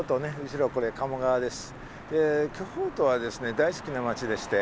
後ろこれ鴨川です。